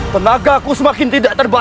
tenagaku semakin tidak terdengar